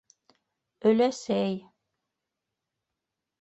Өләсәй...